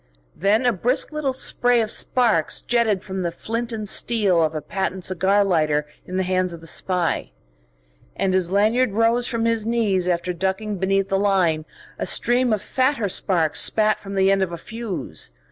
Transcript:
Then a brisk little spray of sparks jetted from the flint and steel of a patent cigar lighter in the hands of the spy. And as Lanyard rose from his knees after ducking beneath the line, a stream of fatter sparks spat from the end of a fuse.